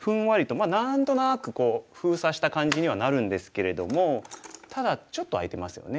まあ何となく封鎖した感じにはなるんですけれどもただちょっと空いてますよね。